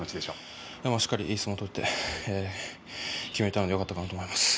しっかり、いい相撲を取って決めたのでよかったかと思います。